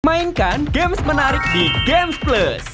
mainkan games menarik di gamesplus